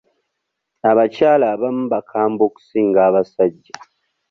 Abakyala abamu bakambwe okusinga abasajja.